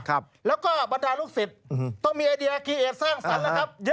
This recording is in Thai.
แล้วก็บรรดาลูกศิษย์ต้องมีไอเดียเกียร์สร้างสรรค์นะครับ